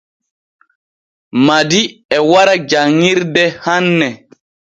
Madi e wara janŋirde hanne.